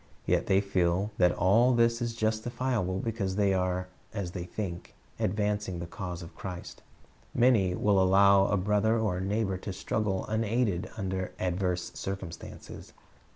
Yet the}' feel that all this is justifiable because they are, as they think, advancing the cause of Christ. Many will allow a brother or a neighbor to .struggle unaided under adverse circumstances.